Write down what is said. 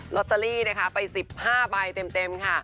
ลอตเตอรี่นะคะไป๑๕ใบเต็มค่ะ